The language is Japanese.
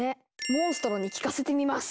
モンストロに聞かせてみます。